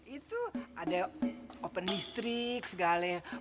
itu ada oven listrik segalanya